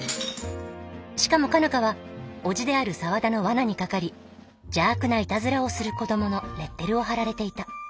しかも佳奈花は叔父である沢田のわなにかかり「邪悪ないたずらをする子ども」のレッテルを貼られていた。